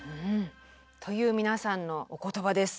という皆さんのお言葉です。